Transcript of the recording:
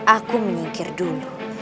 aku menyingkir dulu